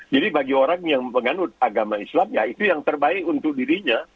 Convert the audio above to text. jadi bagi orang yang menganut agama islam ya itu yang terbaik untuk dirinya